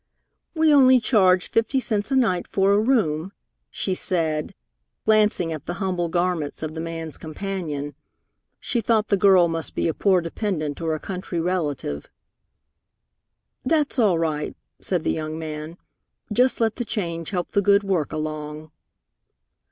"We charge only fifty cents a night for a room," she said, glancing at the humble garments of the man's companion. She thought the girl must be a poor dependent or a country relative. "That's all right," said the young man. "Just let the change help the good work along."